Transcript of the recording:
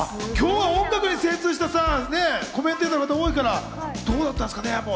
今日は音楽に精通したコメンテーターの方が多いから、どうだったんですかね？